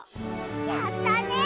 やったね！